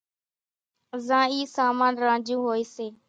زان اِي سامان رانجھون ھوئي سي۔